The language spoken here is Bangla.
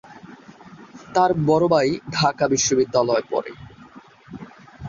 তার বড় ভাই ঢাকা বিশ্ববিদ্যালয়ে পড়ে।